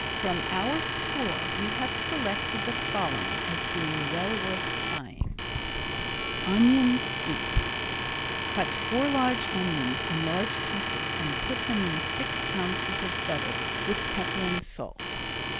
From our store we have selected the following as being well worth trying: Onion Soup Cut four large onions in large pieces and put them in six ounces of butter with pepper and salt.